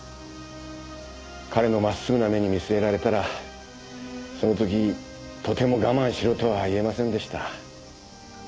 彼の真っすぐな目に見据えられたらその時とても我慢しろとは言えませんでした。